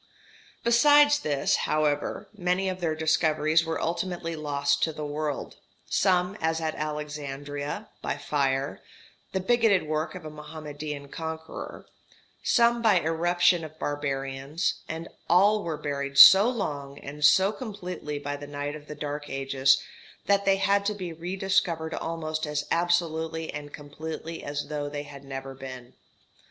] Besides this, however, many of their discoveries were ultimately lost to the world, some, as at Alexandria, by fire the bigoted work of a Mohammedan conqueror some by irruption of barbarians; and all were buried so long and so completely by the night of the dark ages, that they had to be rediscovered almost as absolutely and completely as though they had never been.